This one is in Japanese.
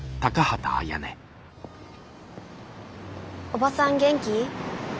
おばさん元気？